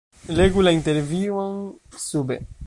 Legu la intervjuon sube.